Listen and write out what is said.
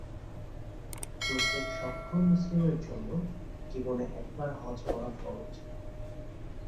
প্রত্যেক সক্ষম মুসলিমের জন্য জীবনে একবার হজ্জ করা ফরজ।